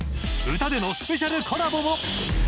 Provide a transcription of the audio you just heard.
歌でのスペシャルコラボも！